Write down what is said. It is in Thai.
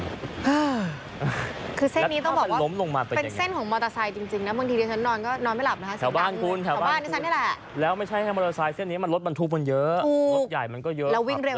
คือเส้นนี้ต้องบอกว่าหรือถ้ามันล้มลงมาเป็นอย่างไง